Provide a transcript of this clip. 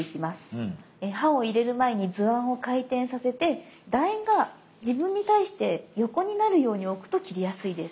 刃を入れる前に図案を回転させてだ円が自分に対して横になるように置くと切りやすいです。